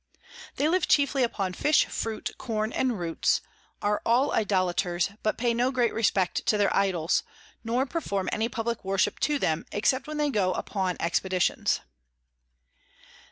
They live chiefly upon Fish, Fruit, Corn and Roots; are all Idolaters, but pay no great Respect to their Idols, nor perform any publick Worship to them, except when they go upon Expeditions.